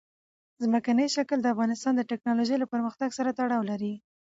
ځمکنی شکل د افغانستان د تکنالوژۍ له پرمختګ سره تړاو لري.